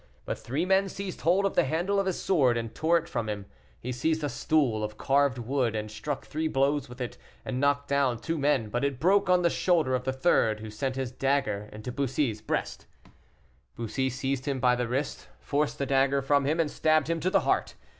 But three men seized hold of the handle of his sword, and tore it from him. He seized a stool of carved wood, and struck three blows with it, and knocked down two men; but it broke on the shoulder of the third, who sent his dagger into Bussy's breast. Bussy seized him by the wrist, forced the dagger from him, and stabbed him to the heart.